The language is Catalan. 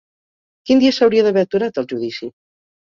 Quin dia s'hauria d'haver aturat el judici?